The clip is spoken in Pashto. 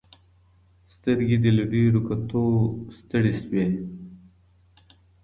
سترګې دې له ډیرو کتلو ستړي سوې.